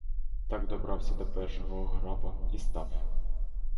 Так добрався до першого граба і став.